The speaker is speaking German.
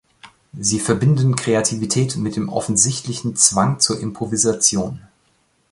Sie verbinden Kreativität mit dem offensichtlichen Zwang zur Improvisation.